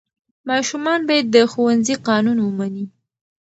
ماشومان باید د ښوونځي قانون ومني.